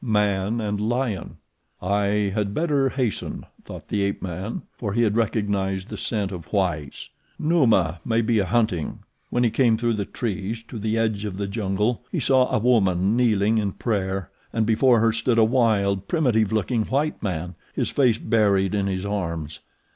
Man and lion. "I had better hasten," thought the ape man, for he had recognized the scent of whites. "Numa may be a hunting." When he came through the trees to the edge of the jungle he saw a woman kneeling in prayer, and before her stood a wild, primitive looking white man, his face buried in his arms.